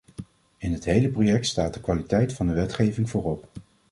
In het hele project staat de kwaliteit van de wetgeving voorop.